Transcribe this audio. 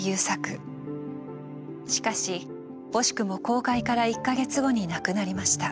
しかし惜しくも公開から１か月後に亡くなりました。